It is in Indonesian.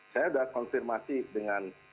saya sudah konfirmasi dengan